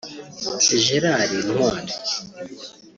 Gérard Ntwari